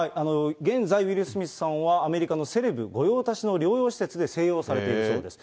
現在、ウィル・スミスさんはアメリカのセレブ御用達の療養施設で静養されているそうです。